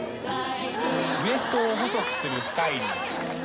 ウエストを細くするスタイリー。